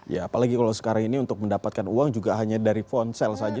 ya apalagi kalau sekarang ini untuk mendapatkan uang juga hanya dari ponsel saja